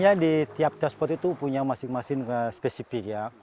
yang intinya di tiap spot itu punya masing masing spesifik